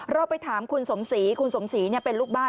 เราไปถามคุณสมศรีคุณสมศรีเป็นลูกบ้าน